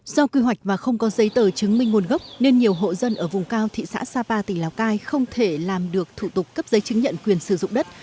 do quy hoạch mà không có giấy tờ chứng minh nguồn gốc nên nhiều hộ dân ở vùng cao thị xã sapa tỉnh lào cai không thể làm được thủ tục cấp giấy chứng nhận quyền sử dụng đất